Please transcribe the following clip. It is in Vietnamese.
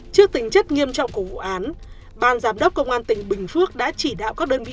trước tính chất nghiêm trọng của vụ án ban giám đốc công an tỉnh bình phước đã chỉ đạo các đơn vị